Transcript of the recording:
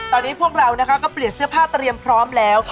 ตอนนี้พวกเราก็เปลี่ยนเสื้อผ้าเตรียมพร้อมแล้ว